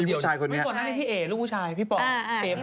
ตอนนั้นก็มีพี่เอว่าพี่ปอล์